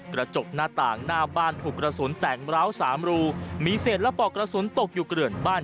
กระจกหน้าต่างหน้าบ้านถูกกระสุนแตกร้าวสามรูมีเศษและปอกกระสุนตกอยู่เกลื่อนบ้าน